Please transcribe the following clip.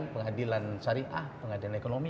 pengadilan syariah pengadilan ekonomi